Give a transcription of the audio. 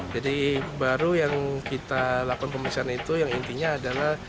jadi baru yang kita lakukan pemeriksaan itu yang intinya adalah